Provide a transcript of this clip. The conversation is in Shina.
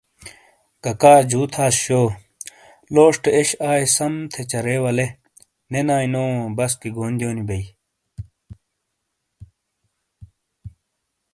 ککا جو تھاس شو لوشٹے ایش آئے سم تھے چرے ولے نے نائی نو بسکی گون دیونو بے ۔